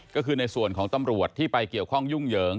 ก็คือในส่วนของตำรวจที่ไปเกี่ยวข้องยุ่งเหยิง